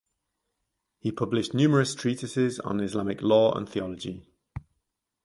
He published numerous treatises on Islamic law and theology.